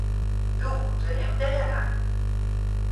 Doe woenen se him dêr ha.